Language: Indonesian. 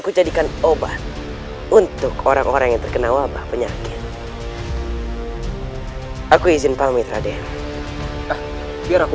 kejadikan obat untuk orang orang yang terkena wabah penyakit aku izin pamit raden biar aku